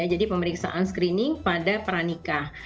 jadi pemeriksaan screening pada peranikah